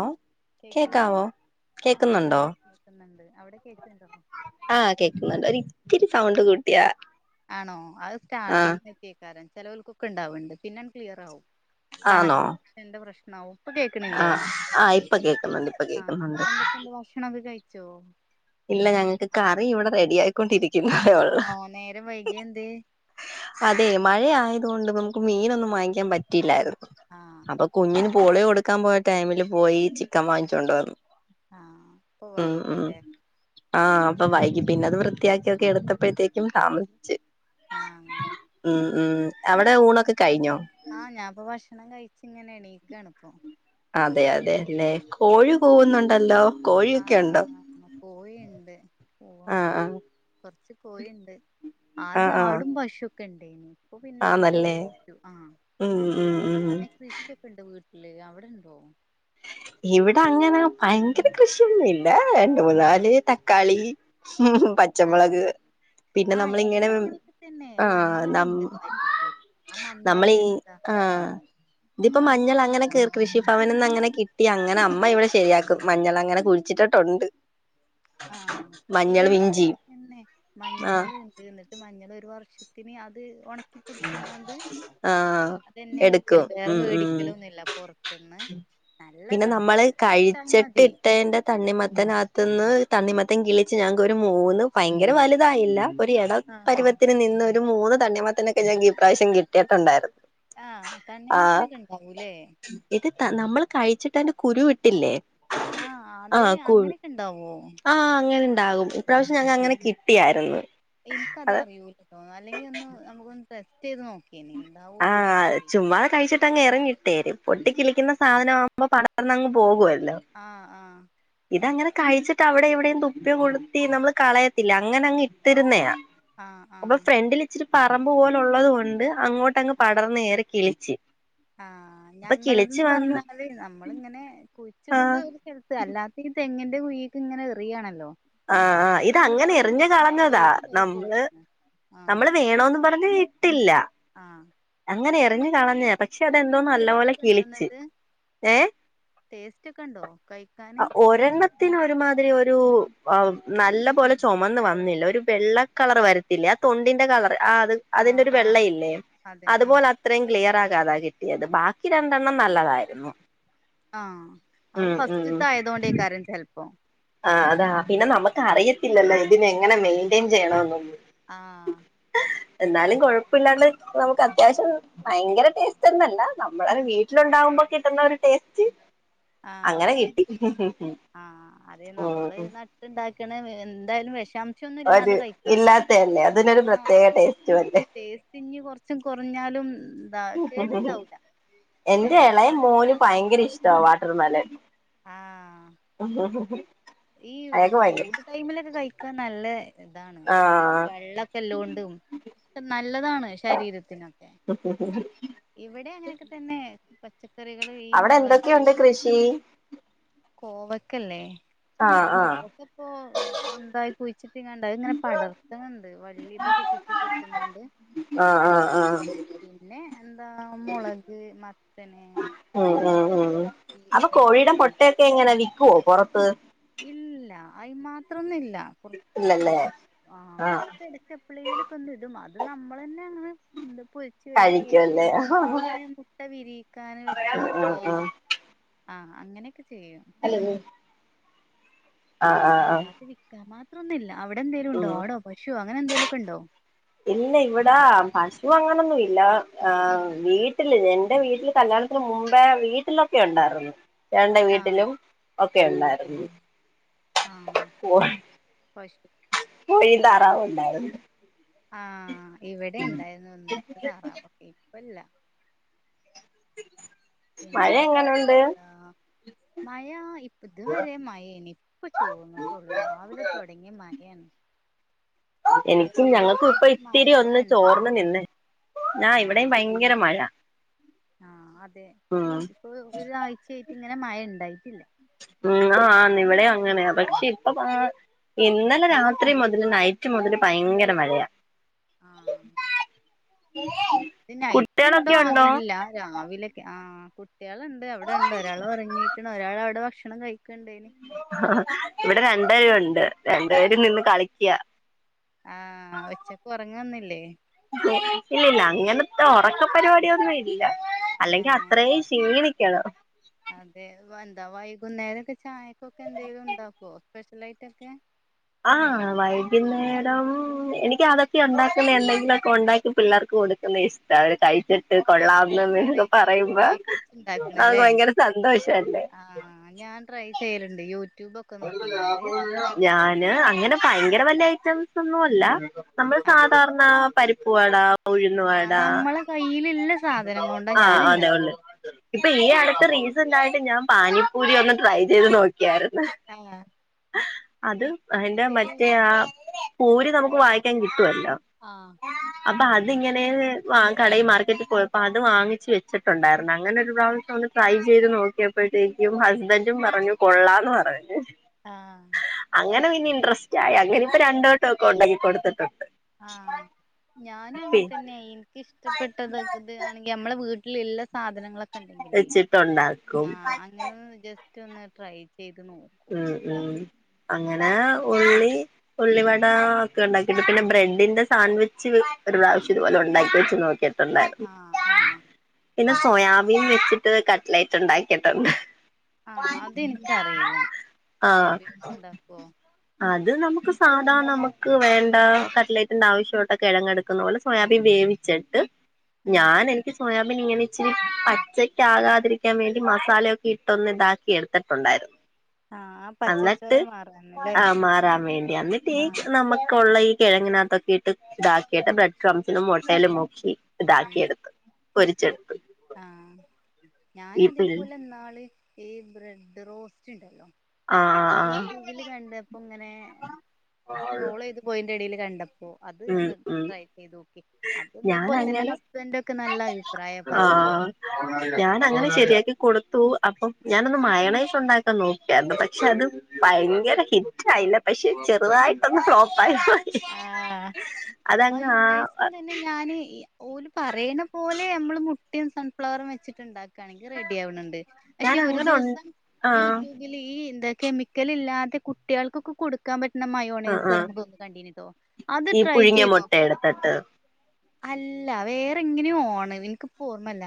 ഓ കേക്കണില്ലേ കേക്കാവോ ആഹ കേക്കുന്നുണ്ടോ കേക്കുന്നുണ്ട് അവിടെ കേക്കണ്ടോ ആഹ് കേക്കുന്നുണ്ട് ഒരിച്ചിരി എന്തൊക്കെ സൗണ്ട് കൂട്ടിയാ ആണോ അത് ആഹ് സ്റ്റാർട്ടിങ് [inaudible] ചിലവർക്കൊക്കെ ഇണ്ടാവണ്ട് പിന്നെ അങ്ങ ക്ലിയർ ആാവും ആണോ കണക്കഷൻ ന്റെ പ്രശ്നവും ഇപ്പൊ കേക്കണില്ലേ ആഹ് ആഹ് ഇപ്പൊ കേക്കുന്നുണ്ട് ഇപ്പൊ ആ കേക്കുന്നുണ്ട് എന്തൊക്കണ്ട് ഭക്ഷണം ഓക്കെ കഴിച്ചോ ഇല്ല ഞങ്ങൾക്ക് കറി ഇവിടെ റെഡി ആായിക്കൊണ്ടിരിക്കു ആണോ നേരം വൈകിയ എന്തേ [inaudible] അതെ മഴയയ അതുകൊണ്ട് നമ്മുക്ക് മീനൊന്നും വാങ്ങിക്കാൻ പറ്റില്ലായിരുന്നു ആഹ് അപ്പൊ കുഞ്ഞാനും പോളിയ കൊടുക്കാൻ പോയ ടൈമില് പോയി ചിക്കൻ വാങ്ങിച്ചോണ്ടുവന്നു ആ അപ്പോ വായികി ല്ലേ ആഹ് അപ്പൊ വൈകി പിന്നെ അത് വൃത്തിയാക്കിക്കെ എടുത്തപ്പോഴത്തേക്കും താമസിച്ച്. ആഹ് ആഹ് ഉം ഉം അവിടെ ഊണൊക്കെ കഴിഞ്ഞോ ആഹ് ഞാൻപ്പൊ ഭക്ഷണം കഴിച്ചിങ്ങനെ എണീക്കാണ് ഇപ്പൊ അതെ അതെല്ലേ കോഴി കൂവുന്നുണ്ടല്ലോ ആ കോഴിയൊക്കെ ഉണ്ടോ കോഴിയുണ്ട് ആഹ് പൂവാൻകോ ആഹ് കൊറച്ച് കോയിണ്ട് ആഹ് ആദ്യ ആഹ് ആടും പശും ഒക്കെ ഇണ്ട് ഇപ്പ പിന്നെ ഒക്കെ ആന്നല്ലേ വിറ്റു ആ ഉം ഉം ഉം പിന്നെ കൃഷിയൊക്കെ ഇണ്ട് വീട്ടി ഇല്ലെയ് അവടെ ഇണ്ടോ ഇവടെ അങ്ങനെ ഭയങ്കര കൃഷിയൊന്നും ഇല്ല രണ്ട് ആ മൂന്നാല് തക്കാളി ആ പച്ചമുളക് പിന്നെ ആ നമ്മളിങ്ങനെ ഇവിടിം അങ്ങനെയൊക്കെ തന്നെ ആഹ് മഞ്ഞൾ നം ഇണ്ട് കാര്യയിട്ട് ആ മഞ്ഞൾ എന്താ ആ ഇതിപ്പോ പറയ് മഞ്ഞൾ അങ്ങനെ കേറി കൃഷിഭവന്ന്ന് അങ്ങനെ കിട്ട് കിട്ടി അങ്ങനെ അമ്മ ഇവടെ ശരിയാക്കും മഞ്ഞൾ അങ്ങനെ കുഴിച്ചിട്ടിട്ടൊണ്ട് ആ ഇവിടെ അങ്ങൻ തന്നെ ആഹ് മഞ്ഞൾ ഇണ്ട് എന്നട്ട് മഞ്ഞൾ ഒര് വർഷ പിന്നെ അത് ഒണക്കിപ്പൊടിച്ച് ങ്ങാണ്ട് ആഹ് അതെന്നെ എട്ക്കല് എടുക്കും വേറെ ഉം ഉം മേടിക്കലൊന്നുല്ല പൊർത്ത്ന്ന് പിന്നെ നമ്മള് കഴിച്ചിട്ട് ഇട്ടെയിന്റെ തണ്ണിമത്തൻ അകത്ത് ന്ന് തണ്ണിമത്തൻ കിളിച്ച് ഞങ്ങൾക്ക് ഒര് മൂന്ന് ഭയങ്കര വലുതായില്ല ഒരു എടം ആ പരുവത്തിൽ നിന്ന ഒരു മൂന്ന് തണ്ണിമത്തനൊക്കെ ഞങ്ങക്ക് ഇപ്രാവശ്യം കിട്ടിയിട്ടുണ്ടായിരുന്നു ആ ആഹ് തണ്ണിമത്തനൊക്കെ ഇണ്ടാവൂലെ കഴിച്ചിട്ടയിന്റെ കുരു വിട്ടില്ലേ ആ അതെ അങ്ങനെയൊക്കെ ഇണ്ടാവോ ആ അങ്ങനെ ഇണ്ടാകും ഇപ്രാവശ്യം ഞങ്ങ അങ്ങനെ കിട്ടിയായിരുന്നു ഇൻക്ക് അത് അറിയൂലട്ടോ അല്ലെങ്കി ഒന്നു നമുക്ക് ഒന്ന് ടെസ്റ്റ് ചെയ്ത് നോക്ക ആ ചുമ്മാതെ കഴിച്ചിട്ട് അങ്ങ് എറിഞ്ഞ് ഇട്ടേര് പൊട്ടി കിളിക്കുന്ന സാധനം ആവുമ്പോ പട ർന്ന് അങ്ങ് പോകുവെലോ ആ ആ കഴിച്ചിട്ട് അവ്ടെ ഇവ്ടെയും തുപ്പി കൊട്ത്തി നമ്മള് കളയത്തില്ല അങ്ങനെ അങ്ങ് ഇട്ടിരുന്നെയാ ആഹ് അപ്പോൾ ആഹ് ഫ്രണ്ടിൽ ഇച്ചിരി പറമ്പ് പോലുള്ളത് കൊണ്ട് അങ്ങോട്ടങ്ങ് പടർന്ന് കേറി കിളിച്ച് ആ അപ്പൊ ഞങ്ങൾത് കിളിച്ച് ന്ന് വന്ന് പർഞ്ഞാല് നമ്മളിങ്ങനെ കുഴി [unintelligible] ന്നത് ആഹ് ഒരു സ്ഥലത്ത് അല്ലാത്തെ ഈ തെങ്ങിന്റെ കുഴീക്ക് ഇങ്ങനെ എറിയാണല്ലോ ആ അപ്പൊ ആ അവിടെ ഇങ്ങനെ ഇതങ്ങനെ ഇതാവുമ്പോ എറിഞ്ഞ് പിന്നെ കളഞ്ഞതാ വേസ്റ്റ് ആയി നമ്മള് പോവാണ് ആഹ് നമ്മൾ വേണോന്ന് പറഞ്ഞ് ഇട്ടില്ല ആഹ് അങ്ങനെ എറിഞ്ഞ് കളഞ്ഞെയാ പക് പക്ഷെ അതെന്തോ നല്ല ടേസ്റ്റ് പോലെ ഒക്കെ ഉണ്ടോ കിളിച്ച് എന്നിട്ട് ഏ ടേസ്റ്റ് ഒക്കെ ഉണ്ടോ കഴിക്കാന് ആ ഒരെണ്ണത്തിന് ഒരുമാതിരി ഒരു ഒരു [unintelligible] നല്ല പോലെ ചൊമന്ന് വന്നില്ല ഒരു വെള്ള കളർ വരത്തില്ലെ ആ തൊണ്ടിന്റെ കളർ ആ അത് അതിന്റെ ആഹ് ഒരു ആഹ് വെള്ളയില്ലേ അതെ ആഹ് അതുപോലെ അത്രയും ക്ലിയർ ആ ക്ക് അതാ കിട്ടിയത് ബാക്കി രണ്ടെണ്ണം നല്ലതായിരുന്നു ആ അതും ഉം ഫസ്റ്റ്ത്തെ ആയതോണ്ടെയ്ക്കാരം ചെൽപ്പം ആ അതാ പിന്നെ നമ്മക്ക് അറിയത്തില്ലല്ലോ ഇതിനെ എങ്ങനെ മെയിൻന്റെയിൻ ചെയ്യണമെന്നൊന്നും ആ എന്നാലും കൊഴപ്പ ഇല്ലാണ്ട് നമുക്ക് അത്യാവശ്യം ഭയങ്കര ടേസ്റ്റ് എന്ന അല്ല നമ്മൾ ഒരു വീട്ടിൽ ഒണ്ടാ ണ്ടാവുമ്പോ കിട്ടുന്ന ഒരു ടേസ്റ്റ് ആഹ് അങ്ങനെ കിട്ടി ആഹ് അതെ ഉം നമ്മൾ ഉം നട്ട് ഇണ്ടാക്കണ എന്തായാലും വെഷാശം ഒരു ഇല്ലാത്ത അല്ലേ അതിനൊരു ആഹ് പ്രത്യേക ടേസ്റ്റുവല്ലേ ടേസ്റ്റ് ഇഞ്ഞ് കൊറച്ചും കുറഞ്ഞാലും എന്താ കേടുണ്ടാവൂല എന്റെ എളയ ശരീരത്തിന് മോന് നല്ലത് ഭയങ്കര ഇഷ്ടവാ വാട്ടർമെലൻ ആഹ് ഈ അയാക്ക് ഭയങ്കര ചൂട് ടൈമിലൊക്കെ കഴിക്കാൻ നല്ല ഇതാണ് ഈ ആഹ് വെള്ളൊക്കെ ഇല്ലോണ്ടും നല്ലതാണ് ശരീരത്തിനൊക്കെ ഇവിടെ അങ്ങനെയൊക്കെ തന്നെ പച്ചക്കറികൾ ഈ അവിടെ മുളക് എന്തൊക്കെയുണ്ട് കൃഷി കോവക്ക ഇല്ലേ ആഹ് ആഹ് കോവക്ക ഇപ്പോ ഇണ്ടായി കഴി ച്ച് കാണ്ട് അയ് ഇങ്ങനെ പടർത്ത്ൺ ഇണ്ട് വള്ളി ഇതൊക്കെ കെട്ടി കൊട്ത്ത്ങ്ങാണ്ട് ആഹ് ആഹ് ആഹ് പിന്നെ എന്താ മൊളക് മത്തൻ ഉം ഉ അപ്പൊ കോഴിയുടെ മൊട്ടൊക്കെ എങ്ങനാ വിക്കുവോ പുറത്ത് ഇല്ല അയി മാത്രം ഒന്നു ഇല്ല. ല്ല. കുറച്ച് കോയി ഇല്ലല്ലേ ആ മൊട്ട ഇടയ്ക്ക് എപ്പളേലൊക്കെ ഒന്നു ഇടും. അ ത് നമ്മൾ തന്നെ അങ്ങ് പൊരിച്ച് വയ്ക്കെ കഴിക്കുംല്ലേ അല്ലെങ്കിൽ ആഹ് ഇങ്ങനെ മുട്ട വിരിയിക്കാന് വെച്ചു കൊടുക്കുക ആ അങ്ങനെ ഹലോ അല്ലാത്ത വിൽക്കാൻ മാത്രം ഒന്നൂല്ല. അവിടെ എന്തേലും ഉം ഉണ്ടോ ആടോ പശോ അങ്ങനെ എന്തേലും ഒക്കെ ഉണ്ടോ? ഇവ അങ്ങനൊന്നുല്ല. വീട്ടില് എന്റെ വീട്ടില് കല്യാണത്തിന് മുമ്പേ വീട്ടിലൊക്കെയുണ്ടാ യിരുന്നു. ചേട്ടൻ്റെ ആ വീട്ടിലും ഒക്കെ ഉണ്ടായിരുന്നു. ആ പശു കോയിം താറാവുണ്ടായിരുന്നു. ആ ഇവിടെ ഉണ്ടായിരുന്നു ഒന്നിരണ്ട് താറാവൊക്കെ. ഇപ്പല്ല മഴ പിന്നെ എങ്ങനെ ഉണ്ട് ആഹ് മഴ ഇപ്പ ഇതുവരെ മഴേണ് ഇപ്പൊ ചോർന്നട്ടുള്ളു. രാവിലെ തുടങ്ങിയ മഴയാണ്. ഇപ്പൊ എനിക്കും ഞങ്ങൾക്കും ഇപ്പ കൊറച്ചീസായിട്ട് മഴ ഇത്തിരി അങ്ങനെ ഒന്ന് ചോർന്ന് ഇണ്ടാവലില്ല നിന്നേ ആ ഇവിടെയും ഭയങ്കര മഴ. ആ അതെ ഉം ഇപ്പൊ ഒരാഴ്ചയായിട്ട് ഇങ്ങനെ മഴ ഉണ്ടായിട്ടില്ല. ഉം ആന്ന് ഇവിടെം അങ്ങനെയാ. അതൊക്കെ ഇപ്പ ആ ഇന്നലെ രാത്രി മുതൽ നൈറ്റ് മുതൽ ഭയങ്കര മഴയാ. ആ നൈറ്റ് ഉണ്ടോ അ ഇല്ല രാവിലൊക്കെ ആ ആ കുട്ടികളുണ്ട് അവിടെണ്ട് ഒരാള് ഉറങ്ങിയേക്കണ്. ഒരാള് അവിടെ ഭക്ഷണം കഴിക്കണ്ടേനി ഇവിടെ രണ്ടുപേരും ഉണ്ട്. രണ്ടു പേരും നിന്ന് കളിക്ക. ആ ഉച്ചക്ക് ഉറങ്ങൊന്നുംല്ലേ. ഇല്ലില്ല അങ്ങനത്തെ ഉറക്ക പരിപാടിയൊന്നും ഇല്ല. അല്ലെങ്കി ഏഹ് അത്രയും ക്ഷീണിക്കണം. അതെ. എന്താ വൈകുന്നേരൊക്കെ ചായക്കൊക്കെ എന്തെങ്കിലും ഉണ്ടാക്കോ? സ്പെഷ്യലാ യിട്ടൊക്കെ. ആ വൈകുന്നേരം എനിക്ക് അതൊക്കെ ഉണ്ടാക്കല് എന്തെങ്കിലുമൊക്കെ ഉണ്ടാക്കി പിള്ളേർക്ക് കൊടുക്കുന്ന ഇഷ്ടാ അവര് കഴിച്ചിട്ട് കൊള്ളാംന്ന് വെറൈറ്റി കുക്ക് പറയുമ്പോ ഐറ്റംസ് നമുക്ക് ഉണ്ടാക്കണല്ലേ ഭയങ്കര സന്തോഷല്ലേ ആ ഞാൻ ട്രൈ ചെയ്യലുണ്ട്. യൂ ഞാന് അങ്ങനെ നമുക്ക് ഭയങ്കര വലു ഐറ്റംസ് ഒന്നും അല്ല നമ്മൾ ആ സാധാരണ പരിപ്പുവടാ ആ ഉഴുന്നവട നമ്മളെ കയ്യിലുള്ള സാധനം കൊണ്ടാ ആ ഞാൻ അതെ ഉള്ളൂ. ഉണ്ടാക്കല് ഉം. ഇപ്പൊ ഈ അടുത്ത റീസ ൻ്റായിട്ട് ഞാൻ പാനിപ്പൂരി ഒന്ന് ട്രൈ ചെയ്ത് നോക്കിയായിരുന്നു. ആ അത് അതിന്റെ മറ്റേ ശരിയായോ ആ പൂരി നമുക്ക് വാങ്ങിക്കാൻ കിട്ടു വല്ലോ. ആ അപ്പൊ അത് അതിങ്ങനെ കടയിൽ മാർക്കറ്റിൽ പോയപ്പോ അത് വാങ്ങിച്ച് വെച്ചിട്ടുണ്ടായിരുന്നു. അങ്ങനെ ഒരു ആ പ്രാവശ്യം ഒന്ന് ട്രൈ ചെയ്ത് നോക്കിയപ്പോഴത്തേക്കും ഹസ്ബൻഡും പറഞ്ഞു കൊള്ളാംന്ന് പറഞ്ഞു. ആ അങ്ങനെ പിന്നെ ഇൻട്രസ്റ്റ് ആയി. അങ്ങനെ ഇപ്പൊ രണ്ടുവട്ടം ഒക്കെ ഉണ്ടാക്കി കൊടുത്തിട്ടണ്ട്. ഞാന് അങ്ങനെ തന്നെ എനിക്കിഷ്ടപ്പെട്ടത് ഇത് ആണെങ്കി നമ്മളെ വീട്ടില് ഇള്ള സാധനങ്ങളൊക്കെ ക്കൊണ്ടെങ്കിലേ വെച്ചിട്ടുണ്ടാക്കും ആ അങ്ങനെ ജസ്റ്റ് ഒന്ന് ട്രൈ ചെയ്ത് നോ ഉം ഉം അങ്ങനെ ഉള്ളി ഉള്ളിവട ഒക്കെ ഉണ്ടാക്കിട്ട് പിന്നെ ബ്രെഡിന്റെ സാൻവിച്ച് ഒരു പ്രാവശ്യം ഇതുപോലെ ഉണ്ടാക്കി വെച്ച് നോക്കിയ ട്ടുണ്ടായിരുന്നു. ആ ആ പിന്നെ സോയാബീൻ വെച്ചിട്ട് കട്ട്ലൈറ്റ് ഉണ്ടാക്കീട്ടുണ്ട്. [unintelligible] സോയാബി ഉണ്ടാകോ ഇത് നമുക്ക് സാധാരണ നമുക്ക് വേണ്ട കറ്റ്ലൈറ്റിന്റെ ആവശ്യമായിട്ട് കിഴങ്ങങ് എടുക്കുന്ന പോലെ സോയാബീൻ വേവിച്ചു ചിട്ട് ഉം ഞാൻ എനിക്ക് സോയ ഇങ്ങനെ ഇച്ചിരി പച്ചക്ക ആകാതിരിക്കാൻ വേണ്ടി മസാലൊക്കെ ഇട്ടൊന്ന് ഇതാക്കി എടുത്തിട്ടുണ്ടായിരുന്നു ആഹ് ആ പച്ചച്ചോയ എന്നിട്ട് മാറാനല്ലേ ആ മാറാൻ വേണ്ടി എന്നിട്ട് ഈ ആഹ് നമുക്കുള്ള ഈ കിഴങ്ങിനകത്തൊക്കെയിട്ട് ഇതാക്കിയിട്ട് ബ്രെഡ് ക്രസിനും മുട്ടയിലും മുക്കി ഉ ഇതാക്കിയെടുത്ത് പൊരിച്ചെടുത്ത് ആ ഞാൻ ഈ പിൾ അതേപോലെ ഇന്നാള് ഈ ബ്രെഡ് റോസ്റ്റ് ഉണ്ടല്ലോ ആ യൂട്യൂബില് കണ്ടപ്പ ഇങ്ങനെ ആ സ്ക്രോൾ ചെയ്ത് പോയിന്റെ ഇടൽ കണ്ടപ്പ അ ഉം അത്ന്ന് ഉം ട്രൈ ചെയ്ത് നോക്കെ അത് അതേപോലെ തന്നെ ഞാനങ്ങനെ ഹസ്ബൻഡ ഒക്കെ നല്ല അഭിപ്രായം പറഞ്ഞു ആ ഞാൻ അങ്ങനെ ശരിയാക്കി കൊടുത്തു അപ്പം ഞാനൊന്ന് മയണേ ഉണ്ടാക്കാൻ നോക്കിയണ്ട് പക്ഷെ അത് ഭയങ്കര ഹിറ്റ് ആയില്ല പക്ഷെ ചെറുതായിട്ടൊന്ന് ഫ്ലോപ്പായി [unintelligible] അതങ്ങ് ആ മയോണ്ടേസും തന്നെ ഞാന് ഓര് പറയണ പോലെ നമ്മള് മുട്ടിയയും സൺഫ്ലവറും വെച്ചിട്ടുണ്ടാക്ക ണെങ്കിൽ റെഡി ആവണണ്ട് ഞാൻ പക്ഷെ ഒരു അങ്ങനെ ഉ ദിവസം ആ യൂട്യൂബിൽ ഈ എന്ത കെമിക്കൽ ഇല്ലാതെ കുട്ടികൾക്കൊക്കെ കൊടുക്കാൻ പറ്റുന്ന ആ മയോണൈസ് ആ എറങ്ങ തുന്നു കണ്ടോ അത് ഈ ട്രൈ പുഴുങ്ങിയ ചെയ്ത് മുട്ട നോക്ക എടുത്തിട്ട് അല്ല വേറെങ്ങനെയ ഓണ് എനിക്കിപ്പോ ഓർമ്മല്ല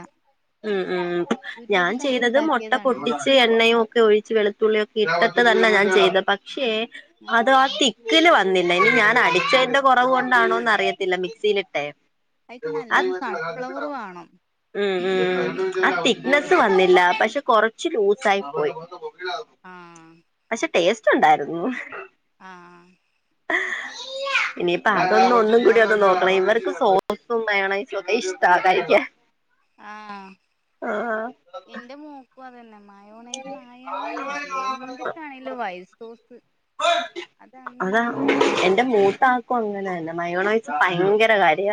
ഉം ഉം യൂട്യൂബ് ഞാൻ കണ്ട് ചെയ്തത് മുട്ട ഉണ്ടാക്കിയതാണ് പൊട്ടിച്ച് എണ്ണയും ഒക്കെ ഒഴിച്ച് വെളുത്തുള്ളിയൊക്കെ ഇട്ട് ഇ തന്നെ ഞാൻ ചെയ്ത പക്ഷേ ആ അത് മക്കൽ വന്നില്ല ഇനി ഞാൻ അടിച്ചതിന്റെ കുറവ് കൊണ്ടാണോന്ന് അറിയത്തില്ല മിക്സിയിലിട്ടെ അയിക്ക് നല്ലോണം സൺഫ്ലവർ വേണം [unintelligible] മ് ഉ ആ എന്നാലേ തിക്നെസ്സ് ഉള്ളൂ വന്നില്ല പക്ഷെ കൊറച്ച് ലൂസ ആയി പോയി ആ പക്ഷെ ടേസ്റ്റ് ഉണ്ടായിരുന്നു ആ ഇനിയിപ്പ അതൊന്ന ഒന്നും കൂടി അത് നോക്കണം ഇവർക്ക് സോസും മയനായ്‌സ് ഒക്കെ ഇഷ്ട കഴിക്കാൻ ആഎന്റെ മോക്കും അതന്നെ മയനൈസെ ആയാൽ മതി എന്തിട്ടണേലും വൈറ്റ് സോസ് ആഹ് അതാ അതങ്ങനെ എന്റെ മൂത്ത കഴിച്ചോ ആക്കും അങ്ങനെന്ന മയോനായ്‌സ് ഭയങ്കര കാര്യ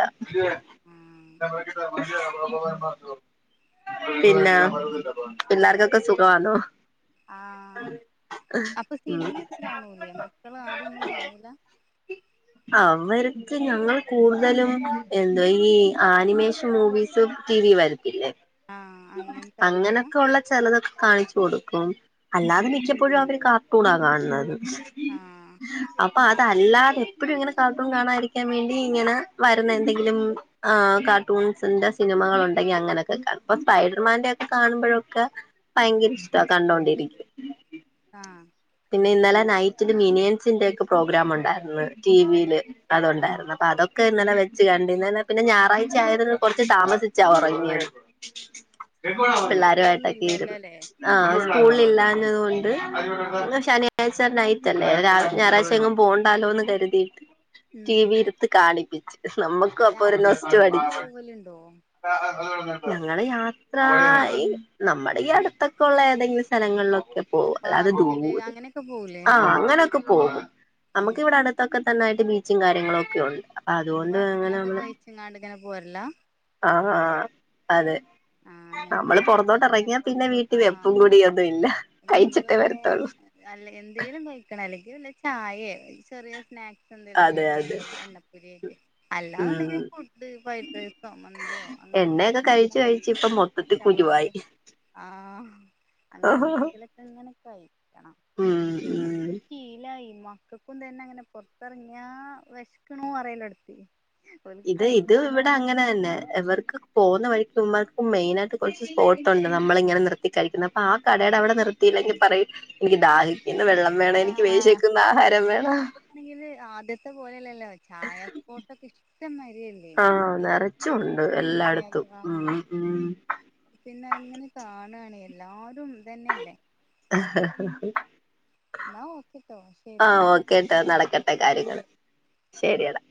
ആഹ് പിന്നെ പിള്ളാർക്കൊക്കെ സുഖമാണോ ആ അപ്പൊ ഉം സിനിമയൊക്കെ കാണൂലേ മക്കൾ ആരൊന്നും കാണൂല അവർക്ക് ഞങ്ങൾ കൂടുതലും എന്തോ ഈ ആനിമേഷൻ മൂവീസ് ടി വി വരത്തില്ലേ ആഹ് അങ്ങനത്താ കാണുവ അങ്ങനൊക്കെള്ള ചെിലതൊക്കെ കാണിച്ചു കൊടുക്കും അല്ലാതെ ആഹ് മിക്കപ്പോഴും അവര് കാർട്ടൂൺാ കാണുന്നത് ആഹ് അപ്പൊ അത് അത അല്ലാതെ എപ്പോഴും ഇങ്ങനെ കാർട്ടൂൺ കാണാതിരിക്കാൻ വേണ്ടി ഇങ്ങനെ വരുന്ന എന്തെങ്കിലും ആ കാർട്ടൂൺ ന്റെ സിനിമകൾ ഉണ്ടെങ്കി അങ്ങനെയൊക്കെ കാ ഇപ്പൊ സ്പൈഡർമാന്റെ ഒക്കെ കാണുമ്പഴൊക്കെ ഭയങ്കര ഇഷ്ട കണ്ടോണ്ടിരിക്ക ആഹ് പിന്നെ ഇന്നലെ നൈറ്റില് മിനിയൻസിന്റെ ഒക്കെ പ്രോഗ്രാം ഉണ്ടായിരുന്നു ടി വിൽ ആഹ് ആഹ് അത്ണ്ടായിരുന്നു അപ്പൊ അതൊക്കെ ഇന്നലെ വെച്ച് കണ്ടി ഇന്നെ പിന്നെ ഞായറാഴ്ച ആയിന്ന് കുറച്ച് താമസിച്ചാ ഉറങ്ങിയാണ് ആഹ് സ്കൂളൊന്നും പിള്ളാരുമായിട്ടൊക്കെ ഇരുന്നു ഇല്ലല്ലോല്ലേ ആ സ്കൂള ഇല്ലഞ്ഞത് കൊണ്ട് ആഹ് ശനിയാ്ച നൈറ്റ്ല്ലേ ഞായറാഴ്ച എങ്കും പോണ്ടാലോ എന്ന് കരുതിയിട്ട് ഉം ടി വി എടുത്ത് കാണിപ്പിച്ചച്ച് നമ്മുക്കും അപ്പൊ ഒരു യാത്രക്ക് നൊസ്റ്റ് എവിടേലും പടിച്ചു പോവലുണ്ടോ ഞങ്ങള് യാത്ര നമ്മുടെ ഈ അടുത്തൊക്കെള്ള ഏതെങ്കിലും സ്ഥലങ്ങളിലൊക്കെ ഓ അത അത് അല്ല അങ്ങനെയൊക്കെ പോവലേ പോകും നമുക്ക് ഇവിടെ അടുത്തൊക്കെ തന്നായിട്ട് ബീച്ചും കാര്യങ്ങളും ഒക്കെ ഉണ്ട് അപ്പൊ ഇപ്പൊ അതുകൊണ്ട് അങ്ങനെ ഭക്ഷണൊക്കെ നമ്മള് കഴിച്ചു ഇങ്ങാണ്ട ഇങ്ങനെ പോരല്ല ആഹ് അതെ നമ്മള് പുറത്തോട്ട് തന്നെ ഇറങ്ങിയാ പിന്നെ പൊറത്തോട്ട് വീട്ടിൽ വെപ്പും ആഹ് കുടിയും ഒന്നും ഇല്ല കഴിച്ചിട്ടേ വര എന്തെങ്കിലൊക്കെ അല്ല എന്തെലും കഴിക്കണം അല്ലെങ്കിൽ വല്ല ചായയോ ചെറിയ സ്നാക്സ് എന്തെങ്കിലും അതെ കടി അതെ അങ്ങനെ എണ്ണപ്പൊരിയൊക്കെ അല്ലാന്നുണ്ടെങ്കിൽ ഉം ഫുഡ് ഫ്രൈഡ് റൈസോ മന്തിയോ അങ്ങനെ എന്താ എണ്ണയൊക്കെ കഴിച്ച് കഴിച്ച് ഇപ്പം മൊത്തത്തിൽ ഷവായ കുരുവായി ആഹ് അങ്ങനെ ഉം എന്തെങ്കിലൊക്കെ അങ്ങനൊക്കെ ണോ ഉം അതൊക്കെ ഒരു ശീലമായി മക്കൾക്കും തന്നെ അങ്ങനെ പുറത്തിറങ്ങിയാ വിശക്കണ അറിയില്ല അടുത്തി ഇത് ഇത് ഇവിടെ അങ്ങനെ തന്നെ ഇവർക്ക് പോകുന്ന വഴിക്ക് നമ്മൾക്ക് മെയിനായിട്ട് കുറച്ച് സ്പോട്ടുണ്ട് നമ്മള് ഇങ്ങനെ നിർത്തി കഴിക്കുന്ന അപ്പൊ ആ കടയുടെ അവിടെ നിർത്തിയില്ലെങ്കിൽ പറയും എനിക്ക് ദാഹിക്കുന്നു വെള്ളം വേണം എനിക്ക് ആഹ് വിശക്കുന്നു ആഹാരം വേണം ഇപ്പാണെങ്കില് ആദ്യത്തെ പോലെയല്ലല്ലോ ചായസ്പോട്ടൊക്കെ ഇഷ്ട ആഹ നിറച്ചും ഉണ്ട് എവിടെ എല്ലായിടത്തും നോക്കിയാലും ഉം ആഹ് ഉം പിന്നെ അങ്ങനെ കാണുകയാണ് എല്ലാരും ഇത് തന്നെയല്ലേ ഓക്കെട്ടോ ആ ശരി ഓക്കേട്ടാ നടക്കട്ടെ കാര്യങ്ങൾ ശരിയടാ